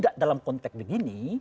tidak dalam konteks begini